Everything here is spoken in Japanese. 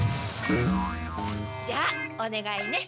じゃあお願いね。